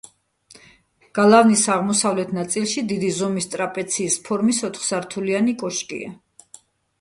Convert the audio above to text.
გალავნის აღმოსავლეთ ნაწილში დიდი ზომის ტრაპეციის ფორმის ოთხსართულიანი კოშკია.